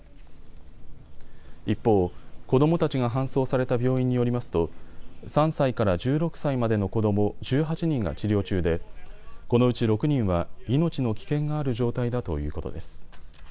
一方、子どもたちが搬送された病院によりますと３歳から１６歳までの子ども１８人が治療中でこのうち６人は命の危険がある状態だということです。